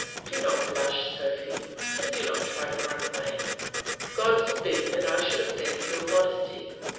Do not blush, Sophy, and do not try to run away. God forbid that I should offend your modesty!